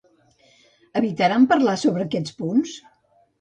Evitaran parlar sobre aquests punts?